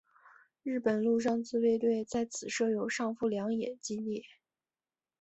日本陆上自卫队在此设有上富良野基地。